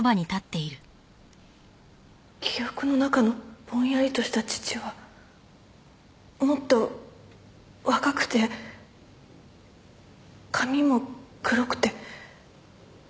記憶の中のぼんやりとした父はもっと若くて髪も黒くて。